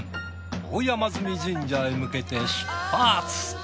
大山神社へ向けて出発。